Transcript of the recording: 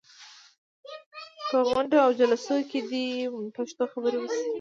په غونډو او جلسو کې دې پښتو خبرې وشي.